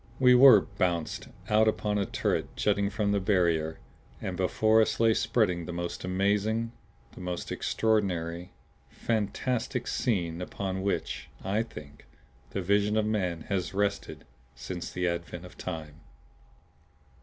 We were BOUNCED out upon a turret jutting from the barrier. And before us lay spread the most amazing, the most extraordinary fantastic scene upon which, I think, the vision of man has rested since the advent of time.